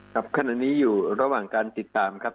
ครับขณะนี้อยู่ระหว่างการติดตามครับ